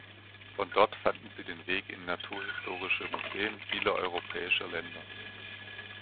Von dort fanden sie den Weg in naturhistorische Museen vieler europäischer Länder.